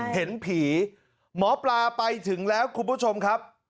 เห็นผีหมอปลาไปถึงแล้วคุณผู้ชมครับ